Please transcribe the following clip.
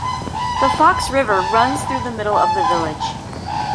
The Fox River runs through the middle of the village.